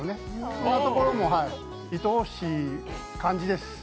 そんなところも愛おしい感じです。